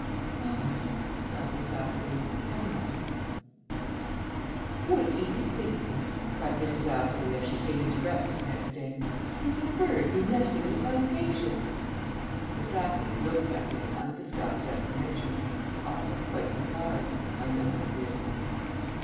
"Oh, well," sighed Miss Atherley, "never mind." ..... "What do you think?" cried Mrs. Atherley as she came in to breakfast next day. "There's a bird been nesting in the plantation!" Miss Atherley looked at me in undisguised admiration. I looked quite surprised I know I did.